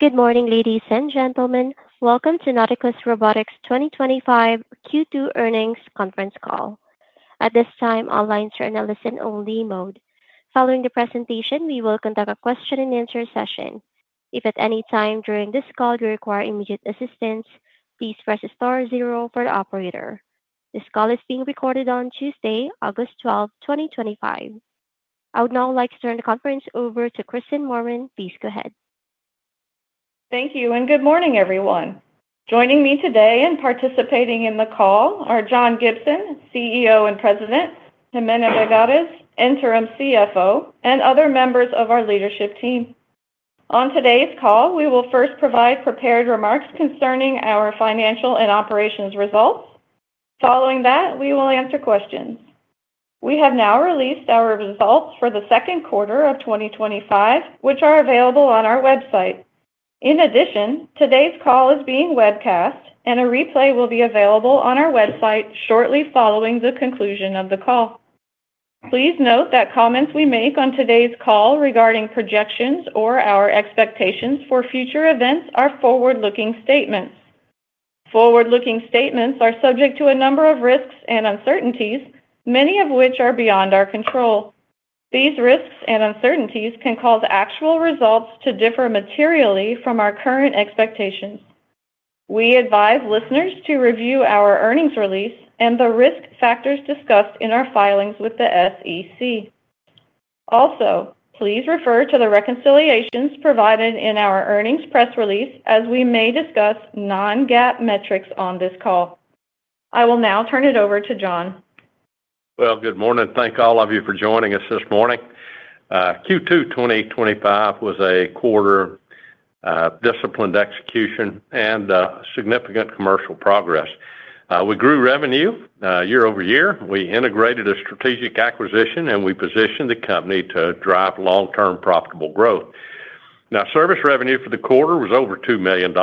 Good morning, ladies and gentlemen. Welcome to Nauticus Robotics 2025 Q2 Earnings Conference Call. At this time, all lines are in a listen-only mode. Following the presentation, we will conduct a question-and-answer session. If at any time during this call you require immediate assistance, please press star zero for the operator. This call is being recorded on Tuesday, August 12, 2025. I would now like to turn the conference over to Kristin Moorman. Please go ahead. Thank you, and good morning, everyone. Joining me today and participating in the call are John Gibson, CEO and President, Jimena Begaries, Interim CFO, and other members of our leadership team. On today's call, we will first provide prepared remarks concerning our financial and operations results. Following that, we will answer questions. We have now released our results for the second quarter of 2025, which are available on our website. In addition, today's call is being webcast, and a replay will be available on our website shortly following the conclusion of the call. Please note that comments we make on today's call regarding projections or our expectations for future events are forward-looking statements. Forward-looking statements are subject to a number of risks and uncertainties, many of which are beyond our control. These risks and uncertainties can cause actual results to differ materially from our current expectations. We advise listeners to review our earnings release and the risk factors discussed in our filings with the SEC. Also, please refer to the reconciliations provided in our earnings press release, as we may discuss non-GAAP metrics on this call. I will now turn it over to John. Good morning. Thank all of you for joining us this morning. Q2 2025 was a quarter of disciplined execution and significant commercial progress. We grew revenue year-over-year. We integrated a strategic acquisition, and we positioned the company to drive long-term profitable growth. Service revenue for the quarter was over $2 million.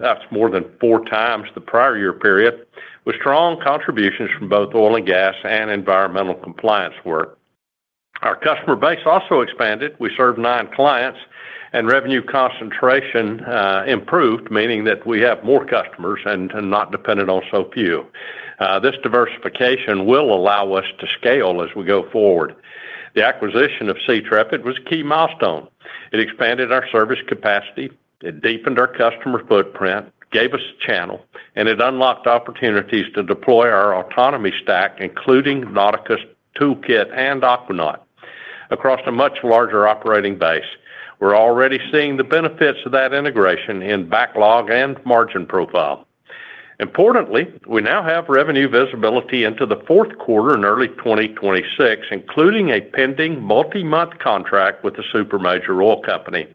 That's more than four times the prior year period, with strong contributions from both oil and gas and environmental compliance work. Our customer base also expanded. We serve nine clients, and revenue concentration improved, meaning that we have more customers and are not dependent on so few. This diversification will allow us to scale as we go forward. The acquisition of SeaTrepid was a key milestone. It expanded our service capacity, it deepened our customer footprint, gave us a channel, and it unlocked opportunities to deploy our autonomy stack, including Nauticus toolKITT and Aquanaut across a much larger operating base. We're already seeing the benefits of that integration in backlog and margin profile. Importantly, we now have revenue visibility into the fourth quarter and early 2026, including a pending multi-month contract with a super major oil company.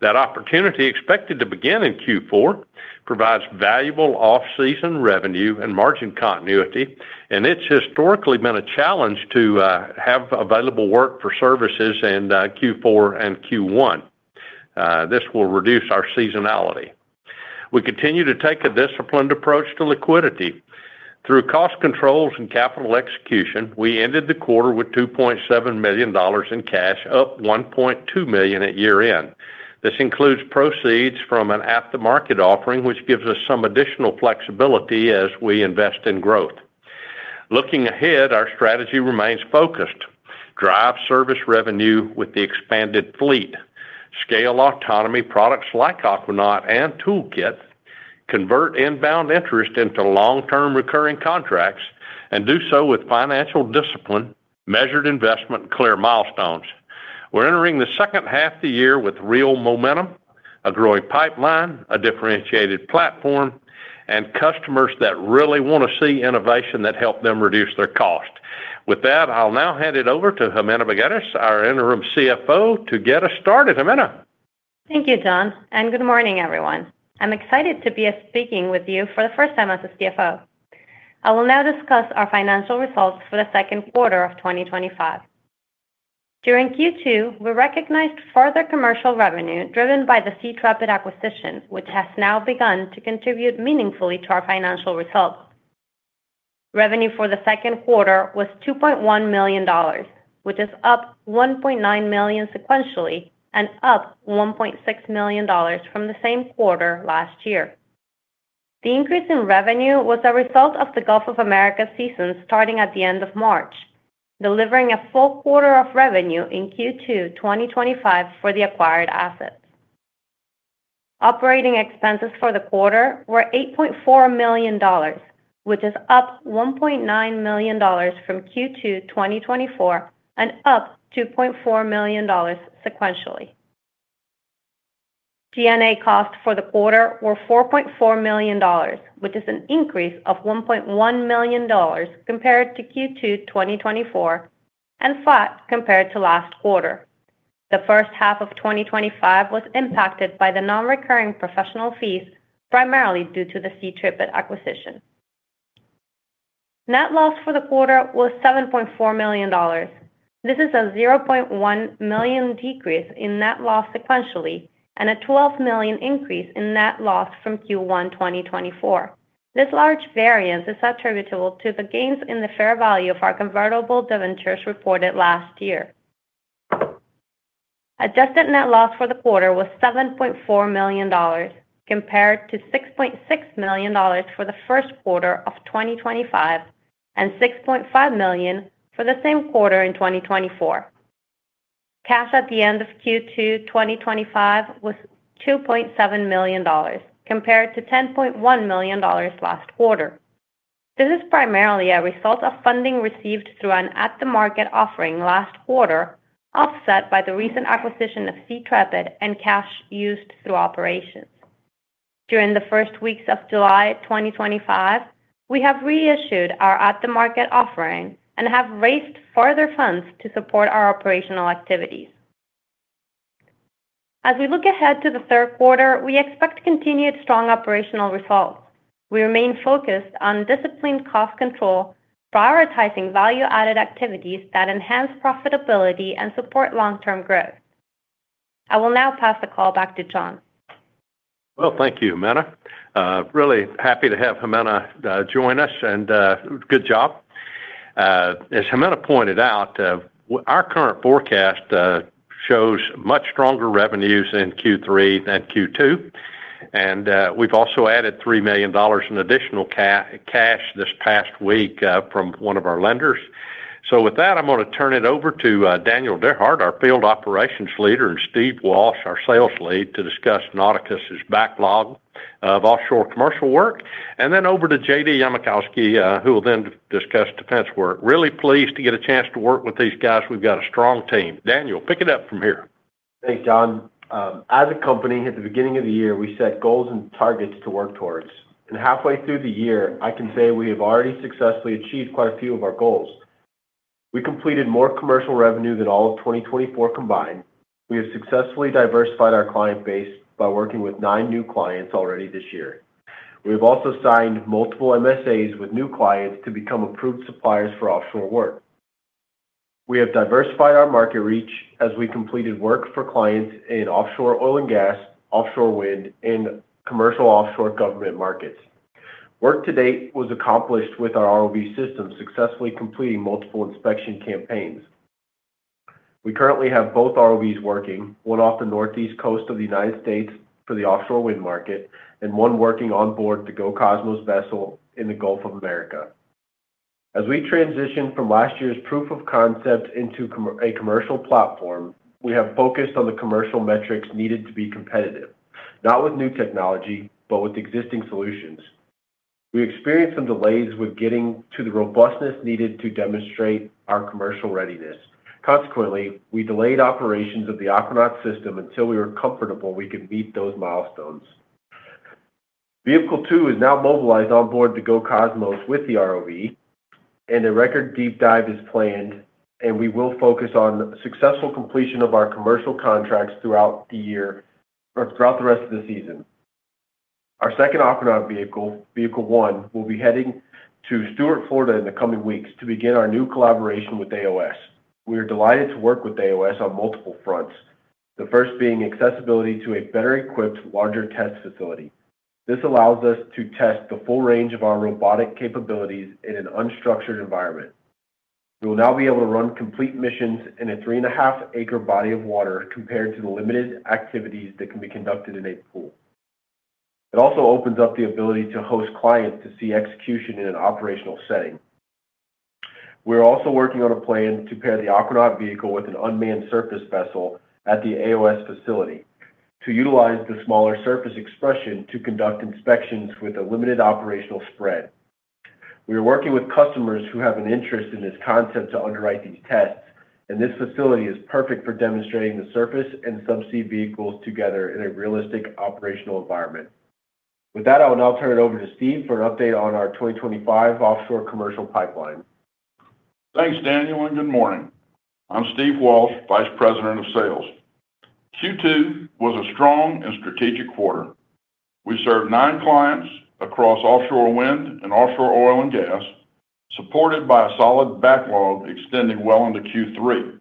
That opportunity, expected to begin in Q4, provides valuable off-season revenue and margin continuity, and it's historically been a challenge to have available work for services in Q4 and Q1. This will reduce our seasonality. We continue to take a disciplined approach to liquidity. Through cost controls and capital execution, we ended the quarter with $2.7 million in cash, up $1.2 million at year-end. This includes proceeds from an aftermarket offering, which gives us some additional flexibility as we invest in growth. Looking ahead, our strategy remains focused: drive service revenue with the expanded fleet, scale autonomy products like Aquanaut and toolKITT, convert inbound interest into long-term recurring contracts, and do so with financial discipline, measured investment, and clear milestones. We're entering the second half of the year with real momentum, a growing pipeline, a differentiated platform, and customers that really want to see innovation that helps them reduce their cost. With that, I'll now hand it over to Jimena Begaries, our Interim CFO, to get us started. Jimena. Thank you, John, and good morning, everyone. I'm excited to be speaking with you for the first time as a CFO. I will now discuss our financial results for the second quarter of 2025. During Q2, we recognized further commercial revenue driven by the SeaTrepid acquisition, which has now begun to contribute meaningfully to our financial results. Revenue for the second quarter was $2.1 million, which is up $1.9 million sequentially and up $1.6 million from the same quarter last year. The increase in revenue was a result of the Gulf of America season starting at the end of March, delivering a full quarter of revenue in Q2 2025 for the acquired assets. Operating expenses for the quarter were $8.4 million, which is up $1.9 million from Q2 2024 and up $2.4 million sequentially. G&A costs for the quarter were $4.4 million, which is an increase of $1.1 million compared to Q2 2024 and flat compared to last quarter. The first half of 2025 was impacted by the non-recurring professional fees, primarily due to the SeaTrepid acquisition. Net loss for the quarter was $7.4 million. This is a $0.1 million decrease in net loss sequentially and a $12 million increase in net loss from Q1 2024. This large variance is attributable to the gains in the fair value of our convertible dividends reported last year. Adjusted net loss for the quarter was $7.4 million compared to $6.6 million for the first quarter of 2025 and $6.5 million for the same quarter in 2024. Cash at the end of Q2 2025 was $2.7 million compared to $10.1 million last quarter. This is primarily a result of funding received through an aftermarket offering last quarter, offset by the recent acquisition of SeaTrepid and cash used through operations. During the first weeks of July 2025, we have reissued our aftermarket offering and have raised further funds to support our operational activities. As we look ahead to the third quarter, we expect continued strong operational results. We remain focused on disciplined cost control, prioritizing value-added activities that enhance profitability and support long-term growth. I will now pass the call back to John. Thank you, Jimena. Really happy to have Jimena join us and good job. As Jimena pointed out, our current forecast shows much stronger revenues in Q3 than Q2, and we've also added $3 million in additional cash this past week from one of our lenders. With that, I'm going to turn it over to Daniel Dehart, our Field Operations lead, and Steve Walsh, our Sales lead, to discuss Nauticus Robotics' backlog of offshore commercial work, and then over to JD Yamokoski, who will then discuss defense work. Really pleased to get a chance to work with these guys. We've got a strong team. Daniel, pick it up from here. Thanks, John. As a company, at the beginning of the year, we set goals and targets to work towards. Halfway through the year, I can say we have already successfully achieved quite a few of our goals. We completed more commercial revenue than all of 2024 combined. We have successfully diversified our client base by working with nine new clients already this year. We have also signed multiple MSAs with new clients to become approved suppliers for offshore work. We have diversified our market reach as we completed work for clients in offshore oil and gas, offshore wind, and commercial offshore government markets. Work to date was accomplished with our ROV system, successfully completing multiple inspection campaigns. We currently have both ROVs working, one off the Northeast U.S. coast for the offshore wind market and one working onboard the Go Cosmos vessel in the Gulf of America. As we transition from last year's proof of concept into a commercial platform, we have focused on the commercial metrics needed to be competitive, not with new technology, but with existing solutions. We experienced some delays with getting to the robustness needed to demonstrate our commercial readiness. Consequently, we delayed operations of the Aquanaut system until we were comfortable we could meet those milestones. Vehicle Two is now mobilized onboard the Go Cosmos with the ROV, and a record deep dive is planned, and we will focus on successful completion of our commercial contracts throughout the year, or throughout the rest of the season. Our second Aquanaut vehicle, Vehicle One, will be heading to Stuart, Florida, in the coming weeks to begin our new collaboration with AOS. We are delighted to work with AOS on multiple fronts, the first being accessibility to a better equipped, larger test facility. This allows us to test the full range of our robotic capabilities in an unstructured environment. We will now be able to run complete missions in a 3.5 acres body of water compared to the limited activities that can be conducted in a pool. It also opens up the ability to host clients to see execution in an operational setting. We are also working on a plan to pair the Aquanaut vehicle with an unmanned surface vessel at the AOS facility to utilize the smaller surface expression to conduct inspections with a limited operational spread. We are working with customers who have an interest in this concept to underwrite these tests, and this facility is perfect for demonstrating the surface and subsea vehicles together in a realistic operational environment. With that, I'll now turn it over to Steve for an update on our 2025 offshore commercial pipeline. Thanks, Daniel, and good morning. I'm Steve Walsh, Vice President of Sales. Q2 was a strong and strategic quarter. We serve nine clients across offshore wind and offshore oil and gas, supported by a solid backlog extending well into Q3.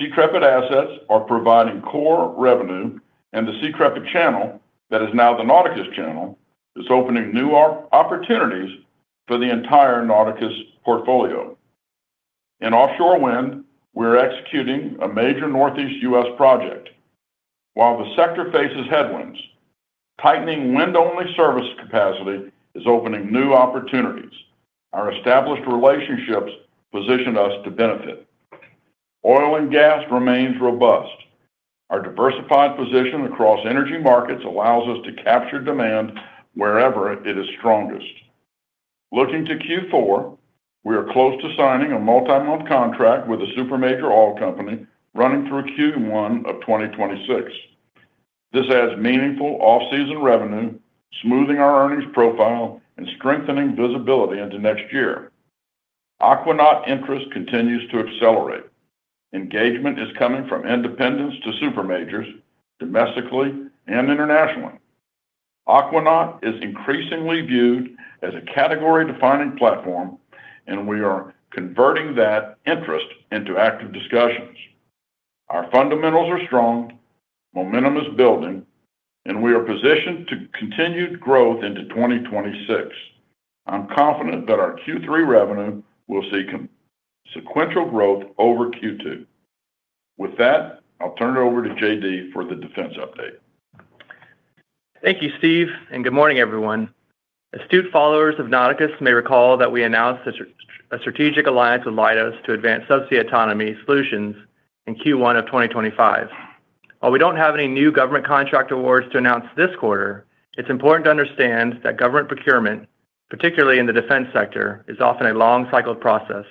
SeaTrepid assets are providing core revenue, and the SeaTrepid channel, that is now the Nauticus channel, is opening new opportunities for the entire Nauticus portfolio. In offshore wind, we're executing a major Northeast U.S. project. While the sector faces headwinds, tightening wind-only service capacity is opening new opportunities. Our established relationships position us to benefit. Oil and gas remains robust. Our diversified position across energy markets allows us to capture demand wherever it is strongest. Looking to Q4, we are close to signing a multi-month contract with a super major oil company running through Q1 of 2026. This adds meaningful off-season revenue, smoothing our earnings profile and strengthening visibility into next year. Aquanaut interest continues to accelerate. Engagement is coming from independents to super majors, domestically and internationally. Aquanaut is increasingly viewed as a category-defining platform, and we are converting that interest into active discussions. Our fundamentals are strong, momentum is building, and we are positioned to continued growth into 2026. I'm confident that our Q3 revenue will see sequential growth over Q2. With that, I'll turn it over to JD for the defense update. Thank you, Steve, and good morning, everyone. Astute followers of Nauticus Robotics may recall that we announced a strategic alliance with Leidos to advance subsea autonomy solutions in Q1 of 2025. While we don't have any new government contract awards to announce this quarter, it's important to understand that government procurement, particularly in the defense sector, is often a long-cycle process.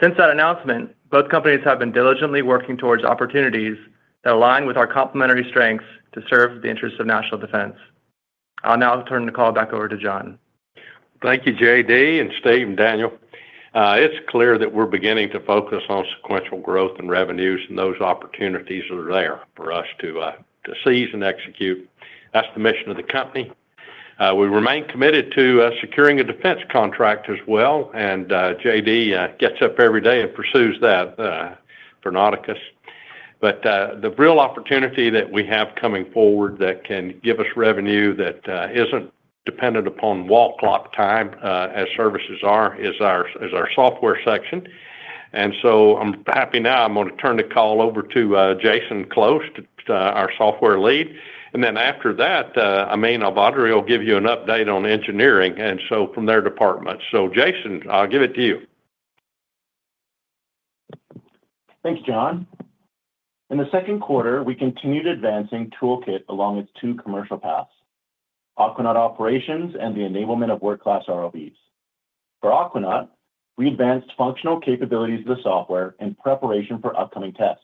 Since that announcement, both companies have been diligently working towards opportunities that align with our complementary strengths to serve the interests of national defense. I'll now turn the call back over to John. Thank you, JD, and Steve, and Daniel. It's clear that we're beginning to focus on sequential growth and revenues, and those opportunities are there for us to seize and execute. That's the mission of the company. We remain committed to securing a defense contract as well, and JD gets up every day and pursues that for Nauticus Robotics. The real opportunity that we have coming forward that can give us revenue that isn't dependent upon wall clock time, as services are, is our software section. I'm happy now. I'm going to turn the call over to Jason Close, our Software Lead. After that, Ameen Albadri will give you an update on engineering from their department. Jason, I'll give it to you. Thanks, John. In the second quarter, we continued advancing toolKITT along its two commercial paths: Aquanaut operations and the enablement of world-class ROVs. For Aquanaut, we advanced functional capabilities of the software in preparation for upcoming tests.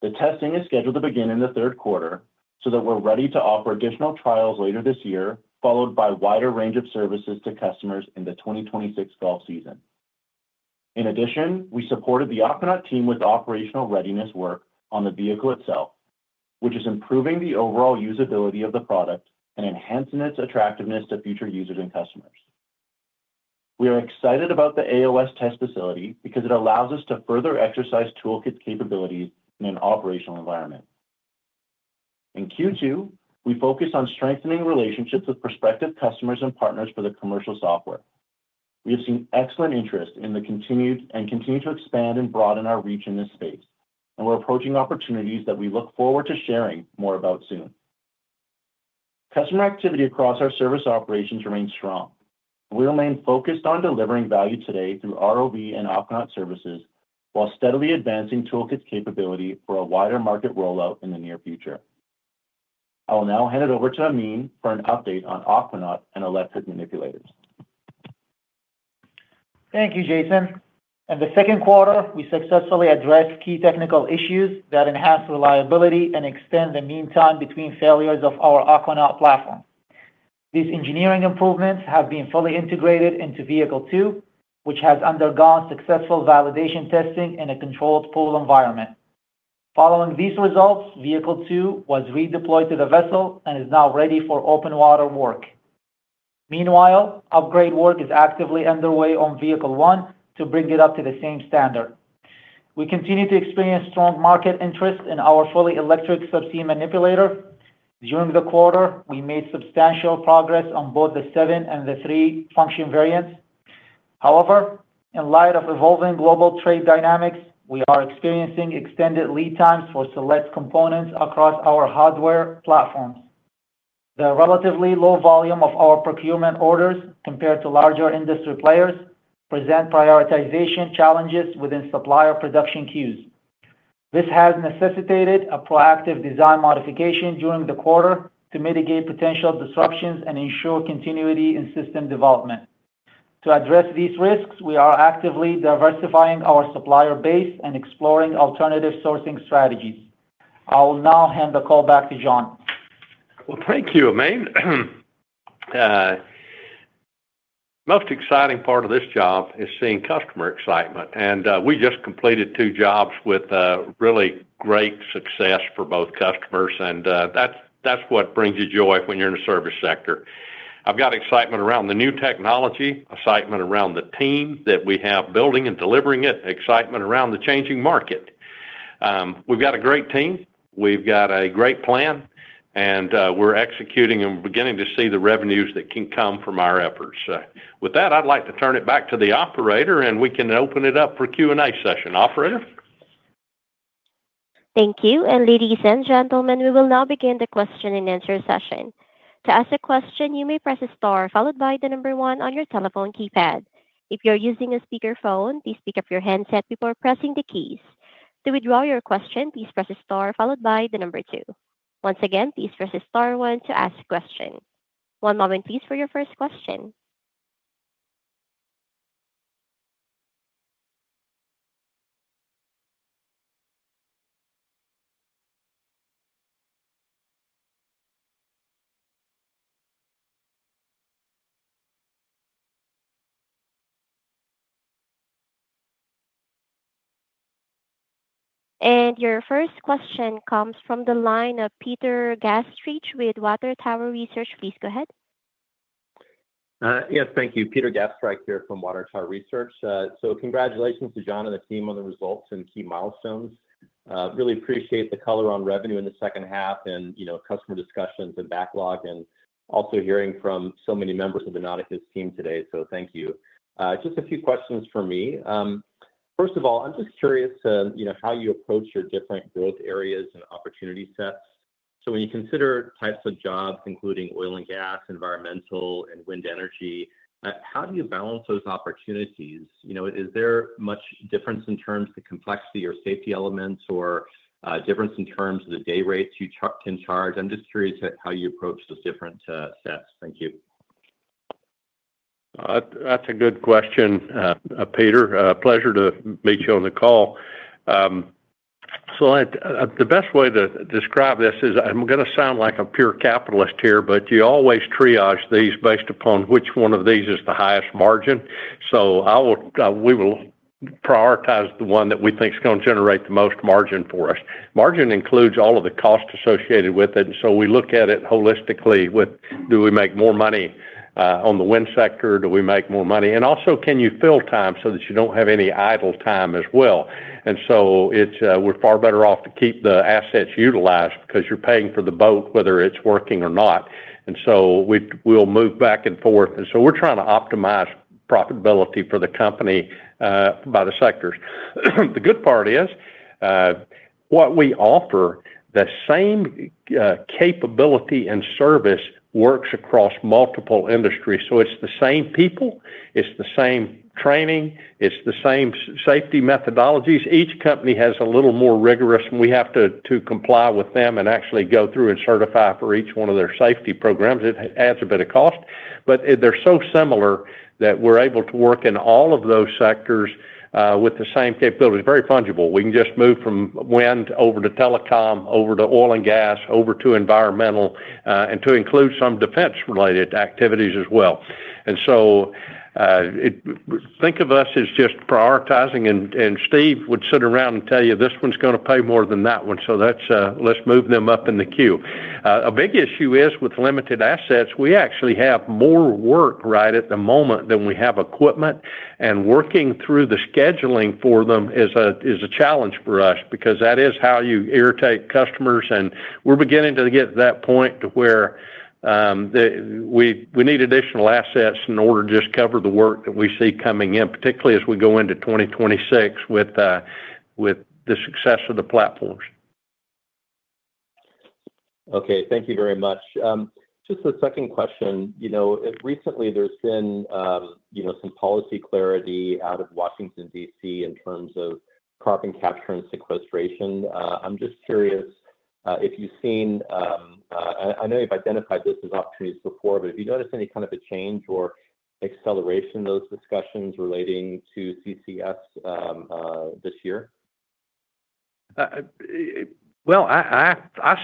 The testing is scheduled to begin in the third quarter so that we're ready to offer additional trials later this year, followed by a wider range of services to customers in the 2026 Gulf season. In addition, we supported the Aquanaut team with operational readiness work on the vehicle itself, which is improving the overall usability of the product and enhancing its attractiveness to future users and customers. We are excited about the AOS test facility because it allows us to further exercise toolKITT's capabilities in an operational environment. In Q2, we focused on strengthening relationships with prospective customers and partners for the commercial software. We have seen excellent interest and continue to expand and broaden our reach in this space, and we're approaching opportunities that we look forward to sharing more about soon. Customer activity across our service operations remains strong. We remain focused on delivering value today through ROV and Aquanaut services while steadily advancing toolKITT's capability for a wider market rollout in the near future. I will now hand it over to Ameen for an update on Aquanaut and electric manipulators. Thank you, Jason. In the second quarter, we successfully addressed key technical issues that enhance reliability and extend the mean time between failures of our Aquanaut platform. These engineering improvements have been fully integrated into Vehicle Two, which has undergone successful validation testing in a controlled pool environment. Following these results, Vehicle Two was redeployed to the vessel and is now ready for open water work. Meanwhile, upgrade work is actively underway on Vehicle One to bring it up to the same standard. We continue to experience strong market interest in our fully electric subsea manipulator. During the quarter, we made substantial progress on both the seven and the three function variants. However, in light of evolving global trade dynamics, we are experiencing extended lead times for select components across our hardware platform. The relatively low volume of our procurement orders compared to larger industry players presents prioritization challenges within supplier production queues. This has necessitated a proactive design modification during the quarter to mitigate potential disruptions and ensure continuity in system development. To address these risks, we are actively diversifying our supplier base and exploring alternative sourcing strategies. I will now hand the call back to John. Thank you, Ameen. The most exciting part of this job is seeing customer excitement, and we just completed two jobs with really great success for both customers. That's what brings you joy when you're in the service sector. I've got excitement around the new technology, excitement around the team that we have building and delivering it, excitement around the changing market. We've got a great team, we've got a great plan, and we're executing and beginning to see the revenues that can come from our efforts. With that, I'd like to turn it back to the operator, and we can open it up for Q&A session. Operator. Thank you, and ladies and gentlemen, we will now begin the question-and-answer session. To ask a question, you may press star followed by the number one on your telephone keypad. If you're using a speakerphone, please pick up your headset before pressing the keys. To withdraw your question, please press star followed by the number two. Once again, please press star one to ask a question. One moment, please, for your first question. Your first question comes from the line of Peter Gastrich with Water Tower Research. Please go ahead. Yes, thank you. Peter Gastrich here from Water Tower Research. Congratulations to John and the team on the results and key milestones. Really appreciate the color on revenue in the second half and customer discussions and backlog and also hearing from so many members of the Nauticus Robotics team today. Thank you. Just a few questions from me. First of all, I'm just curious how you approach your different growth areas and opportunity sets. When you consider types of jobs, including oil and gas, environmental, and wind energy, how do you balance those opportunities? Is there much difference in terms of the complexity or safety elements or difference in terms of the day rates you can charge? I'm just curious how you approach those different sets. Thank you. That's a good question, Peter. Pleasure to meet you on the call. The best way to describe this is I'm going to sound like a pure capitalist here, but you always triage these based upon which one of these is the highest margin. We will prioritize the one that we think is going to generate the most margin for us. Margin includes all of the costs associated with it. We look at it holistically with, do we make more money on the wind sector? Do we make more money? Also, can you fill time so that you don't have any idle time as well? We're far better off to keep the assets utilized because you're paying for the boat, whether it's working or not. We'll move back and forth. We're trying to optimize profitability for the company by the sectors. The good part is what we offer, the same capability and service works across multiple industries. It's the same people. It's the same training. It's the same safety methodologies. Each company has a little more rigorous, and we have to comply with them and actually go through and certify for each one of their safety programs. It adds a bit of cost. They're so similar that we're able to work in all of those sectors with the same capability. It's very fungible. We can just move from wind over to telecom, over to oil and gas, over to environmental, and to include some defense-related activities as well. Think of us as just prioritizing. Steve would sit around and tell you, "This one's going to pay more than that one." Let's move them up in the queue. A big issue is with limited assets, we actually have more work right at the moment than we have equipment. Working through the scheduling for them is a challenge for us because that is how you irritate customers. We're beginning to get to that point to where we need additional assets in order to just cover the work that we see coming in, particularly as we go into 2026 with the success of the platforms. Okay, thank you very much. Just the second question, you know, recently there's been some policy clarity out of Washington, D.C. in terms of crop and cash currency proliferation. I'm just curious if you've seen, I know you've identified this as opportunities before, but have you noticed any kind of a change or acceleration in those discussions relating to CCS this year? I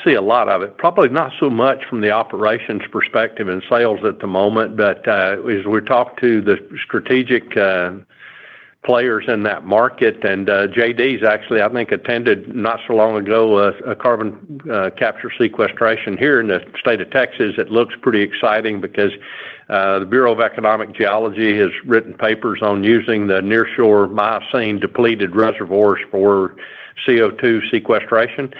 see a lot of it, probably not so much from the operations perspective and sales at the moment, but as we talk to the strategic players in that market, and JD's actually, I think, attended not so long ago a carbon capture sequestration here in the state of Texas. It looks pretty exciting because the Bureau of Economic Geology has written papers on using the nearshore myosine-depleted reservoirs for CO2 sequestration.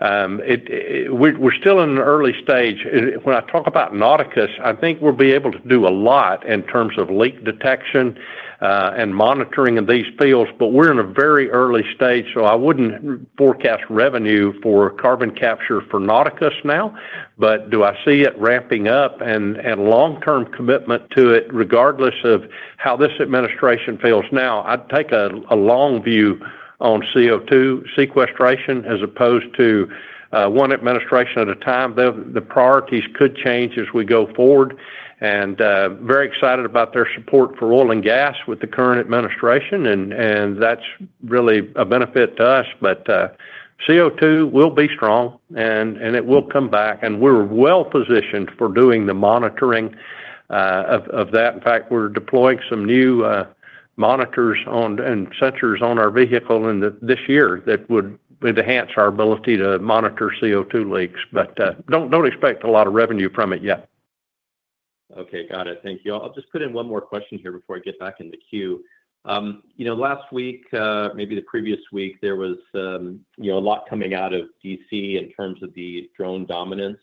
We're still in the early stage. When I talk about Nauticus Robotics, I think we'll be able to do a lot in terms of leak detection and monitoring of these fields, but we're in a very early stage. I wouldn't forecast revenue for carbon capture for Nauticus Robotics now, but do I see it ramping up and long-term commitment to it regardless of how this administration feels now? I'd take a long view on CO2 sequestration as opposed to one administration at a time, though the priorities could change as we go forward. I'm very excited about their support for oil and gas with the current administration, and that's really a benefit to us. CO2 will be strong, and it will come back, and we're well positioned for doing the monitoring of that. In fact, we're deploying some new monitors and sensors on our vehicle this year that would enhance our ability to monitor CO2 leaks, but don't expect a lot of revenue from it yet. Okay, got it. Thank you all. I'll just put in one more question here before I get back in the queue. You know, last week, maybe the previous week, there was a lot coming out of D.C. in terms of the drone dominance.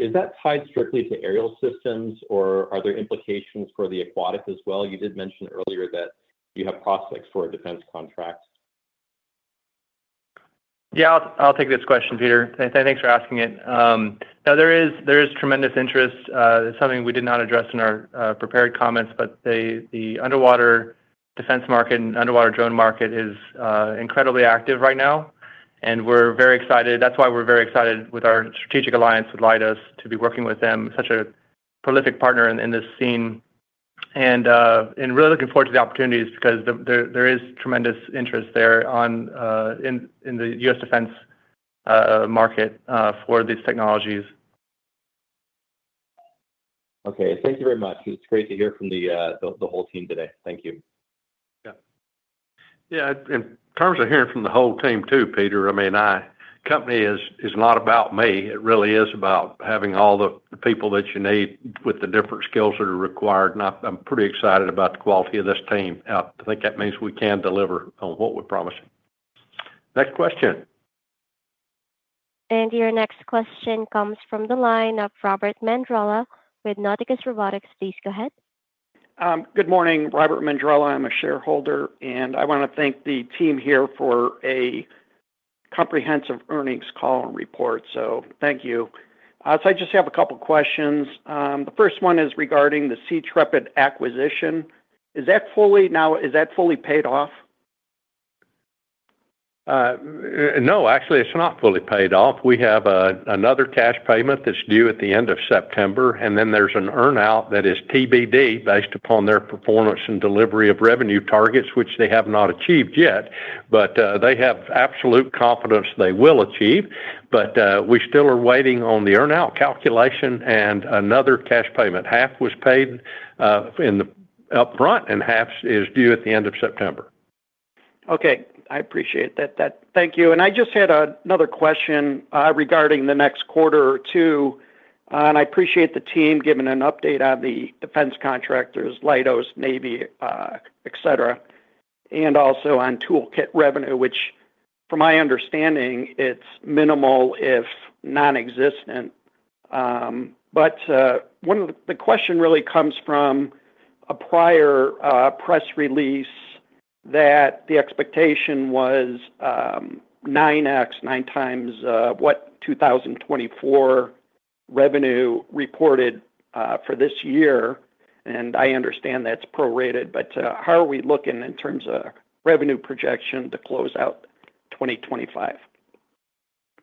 Is that tied strictly to aerial systems, or are there implications for the aquatic as well? You did mention earlier that you have prospects for a defense contract. Yeah, I'll take this question, Peter. Thanks for asking it. There is tremendous interest. It's something we did not address in our prepared comments, but the underwater defense market and underwater drone market is incredibly active right now, and we're very excited. That's why we're very excited with our strategic alliance with Leidos to be working with them, such a prolific partner in this scene, and really looking forward to the opportunities because there is tremendous interest there in the U.S. defense market for these technologies. Okay, thank you very much. It's great to hear from the whole team today. Thank you. Yeah, in terms of hearing from the whole team too, Peter, I mean, our company is not about me. It really is about having all the people that you need with the different skills that are required, and I'm pretty excited about the quality of this team. I think that means we can deliver on what we're promising. Next question. Your next question comes from the line of Robert Mendralla with Nauticus Robotics. Please go ahead. Good morning, Robert Mendrola. I'm a shareholder, and I want to thank the team here for a comprehensive earnings call and report, so thank you. I just have a couple of questions. The first one is regarding the SeaTrepid acquisition. Is that fully paid off? No, actually, it's not fully paid off. We have another cash payment that's due at the end of September, and then there's an earnout that is TBD based upon their performance and delivery of revenue targets, which they have not achieved yet. They have absolute confidence they will achieve. We still are waiting on the earnout calculation and another cash payment. Half was paid up front, and half is due at the end of September. Okay, I appreciate that. Thank you. I just had another question regarding the next quarter or two, and I appreciate the team giving an update on the defense contractors, Leidos, Navy, etc., and also on toolKITT revenue, which from my understanding, it's minimal, if nonexistent. One of the questions really comes from a prior press release that the expectation was 9x, 9x what 2024 revenue reported for this year. I understand that's prorated, but how are we looking in terms of revenue projection to close out 2025?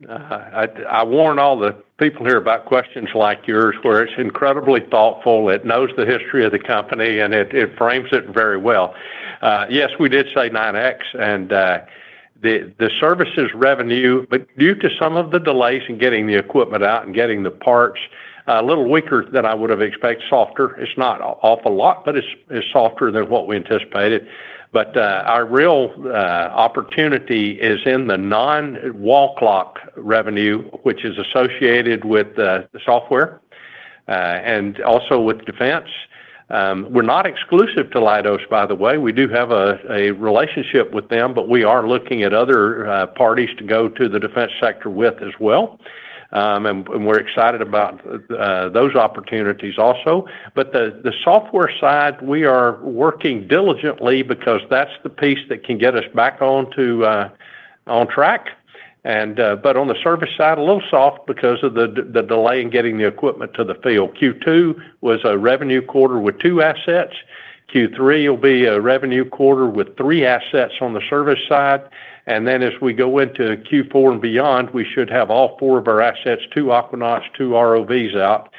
I warn all the people here about questions like yours, where it's incredibly thoughtful. It knows the history of the company, and it frames it very well. Yes, we did say 9x, and the services revenue, but due to some of the delays in getting the equipment out and getting the parts, a little weaker than I would have expected, softer. It's not an awful lot, but it's softer than what we anticipated. Our real opportunity is in the non-wall clock revenue, which is associated with the software and also with defense. We're not exclusive to Leidos, by the way. We do have a relationship with them, but we are looking at other parties to go to the defense sector with as well. We're excited about those opportunities also. The software side, we are working diligently because that's the piece that can get us back onto on track. On the service side, a little soft because of the delay in getting the equipment to the field. Q2 was a revenue quarter with two assets. Q3 will be a revenue quarter with three assets on the service side. As we go into Q4 and beyond, we should have all four of our assets, two Aquanauts, two ROVs out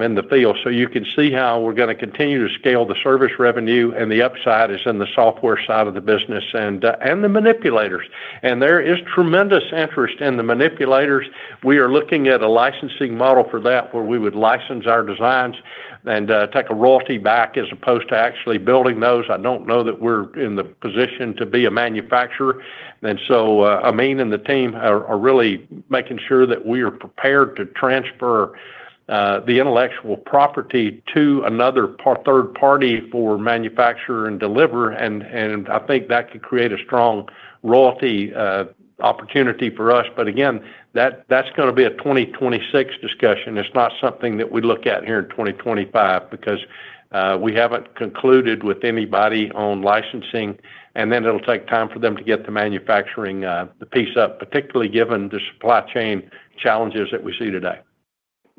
in the field. You can see how we're going to continue to scale the service revenue, and the upside is in the software side of the business and the manipulators. There is tremendous interest in the manipulators. We are looking at a licensing model for that where we would license our designs and take a royalty back as opposed to actually building those. I don't know that we're in the position to be a manufacturer. Ameen and the team are really making sure that we are prepared to transfer the intellectual property to another third party for manufacture and deliver. I think that could create a strong royalty opportunity for us. Again, that's going to be a 2026 discussion. It's not something that we look at here in 2025 because we haven't concluded with anybody on licensing. It will take time for them to get the manufacturing piece up, particularly given the supply chain challenges that we see today.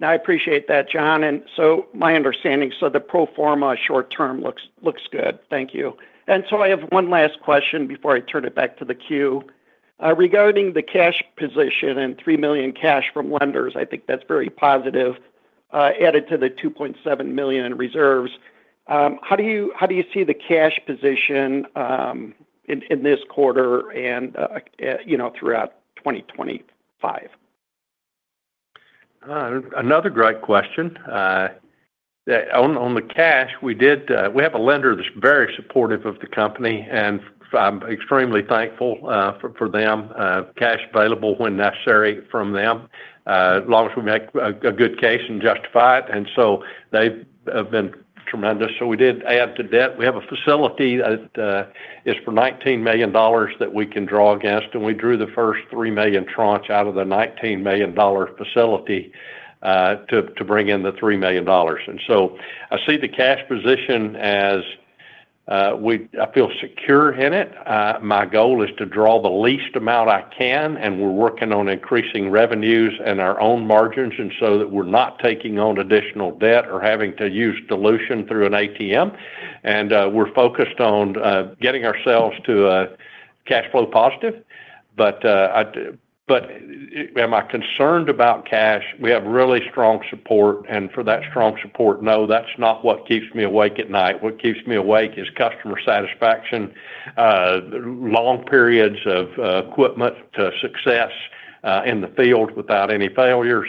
I appreciate that, John. My understanding, the pro forma short term looks good. Thank you. I have one last question before I turn it back to the queue. Regarding the cash position and $3 million cash from lenders, I think that's very positive, added to the $2.7 million reserves. How do you see the cash position in this quarter and, you know, throughout 2025? Another great question. On the cash, we did, we have a lender that's very supportive of the company, and I'm extremely thankful for them. Cash available when necessary from them, as long as we make a good case and justify it. They've been tremendous. We did add to debt. We have a facility that is for $19 million that we can draw against, and we drew the first $3 million tranche out of the $19 million facility to bring in the $3 million. I see the cash position as I feel secure in it. My goal is to draw the least amount I can, and we're working on increasing revenues and our own margins so that we're not taking on additional debt or having to use dilution through an ATM. We're focused on getting ourselves to a cash flow positive. Am I concerned about cash? We have really strong support. For that strong support, no, that's not what keeps me awake at night. What keeps me awake is customer satisfaction, long periods of equipment to success in the field without any failures,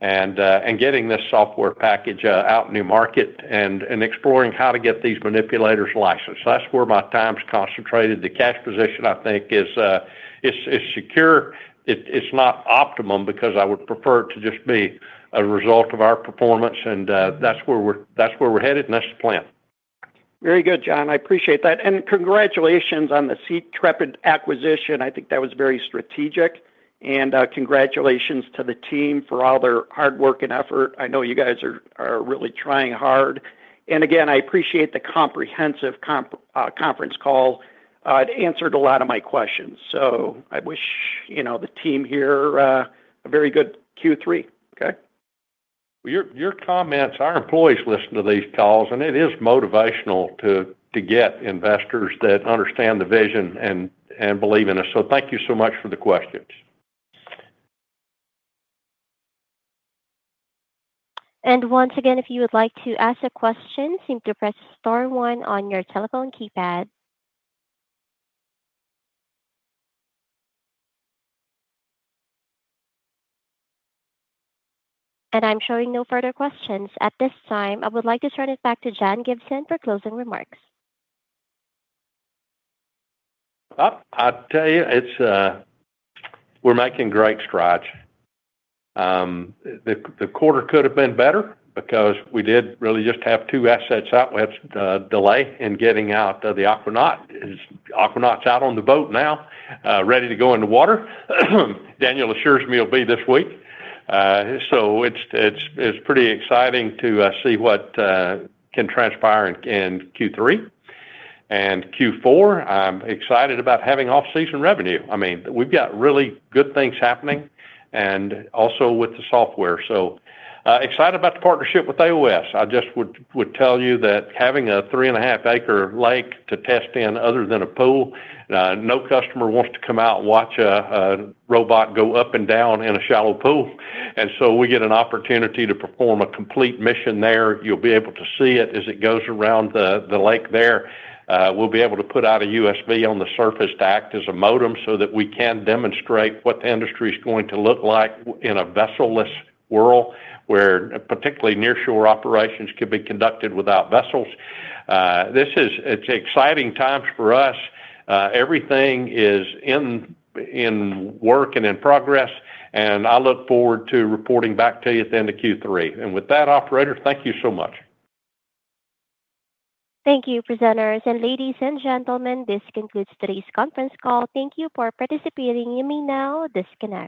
and getting this software package out in the market and exploring how to get these manipulators licensed. That's where my time's concentrated. The cash position, I think, is secure. It's not optimum because I would prefer it to just be a result of our performance. That's where we're headed, and that's the plan. Very good, John. I appreciate that. Congratulations on the SeaTrepid acquisition. I think that was very strategic. Congratulations to the team for all their hard work and effort. I know you guys are really trying hard. I appreciate the comprehensive conference call. It answered a lot of my questions. I wish the team here a very good Q3. Okay? Your comments, our employees listen to these calls, and it is motivational to get investors that understand the vision and believe in us. Thank you so much for the questions. If you would like to ask a question, please press star one on your telephone keypad. I'm showing no further questions at this time. I would like to turn it back to John Gibson for closing remarks. I'll tell you, we're making great strides. The quarter could have been better because we did really just have two assets out. We had a delay in getting out of the Aquanaut. Aquanaut's out on the boat now, ready to go in the water. Daniel assures me it'll be this week. It's pretty exciting to see what can transpire in Q3. In Q4, I'm excited about having off-season revenue. We've got really good things happening and also with the software. I'm excited about the partnership with AOS. I just would tell you that having a 3.5 acres lake to test in other than a pool, no customer wants to come out and watch a robot go up and down in a shallow pool. We get an opportunity to perform a complete mission there. You'll be able to see it as it goes around the lake there. We'll be able to put out a USB on the surface to act as a modem so that we can demonstrate what the industry is going to look like in a vessel-less world where particularly nearshore operations could be conducted without vessels. This is exciting times for us. Everything is in work and in progress. I look forward to reporting back to you at the end of Q3. With that, operator, thank you so much. Thank you, presenters and ladies and gentlemen. This concludes today's conference call. Thank you for participating. You may now disconnect.